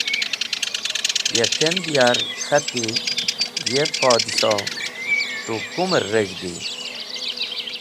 Ya kend ya’r k̃hati: “Ye Podsho! Tu kumer regg̃hdi?